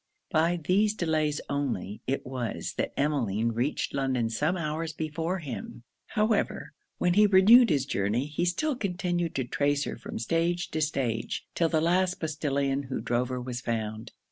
By these delays only it was that Emmeline reached London some hours before him. However, when he renewed his journey, he still continued to trace her from stage to stage, till the last postillion who drove her was found.